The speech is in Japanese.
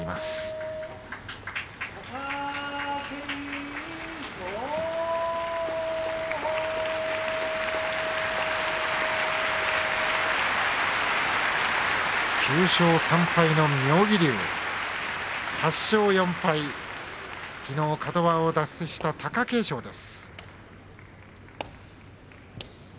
拍手９勝３敗の妙義龍８勝４敗、きのうカド番を脱した貴景勝です。